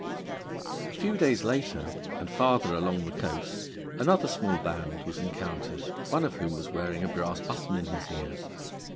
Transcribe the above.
A few days later and farther along the coast another small band was encountered, one of whom was wearing a brass button in his ear.